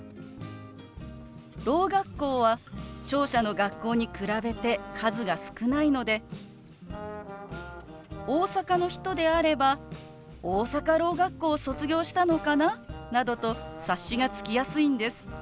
ろう学校は聴者の学校に比べて数が少ないので大阪の人であれば大阪ろう学校を卒業したのかななどと察しがつきやすいんです。